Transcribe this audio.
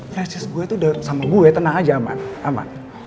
fleses gue tuh udah sama gue tenang aja aman aman